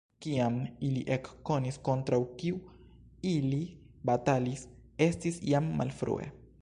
Kiam ili ekkonis kontraŭ kiu ili batalis, estis jam malfrue.